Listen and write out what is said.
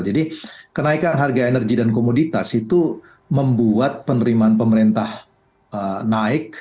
jadi kenaikan harga energi dan komoditas itu membuat penerimaan pemerintah naik